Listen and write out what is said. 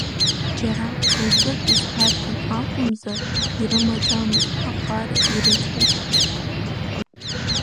Џьара былтәык изҭарҭәон акәымзар ирымаӡамызт аԥара, ирыцҳаишьон.